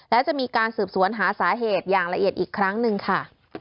และจะมีการสืบสวนหาสาเหตุอย่างละเอียดอีกครั้งหนึ่งค่ะ